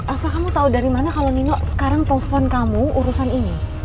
elsa kamu tau dari mana kalo nino sekarang telepon kamu urusan ini